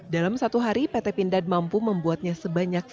dalam satu hari pt pindad mampu membuatnya sebanyak